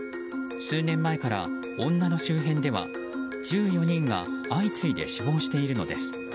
数年前から、女の周辺では１４人が相次いで死亡しているのです。